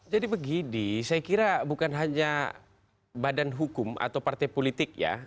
jadi begini saya kira bukan hanya badan hukum atau partai politik ya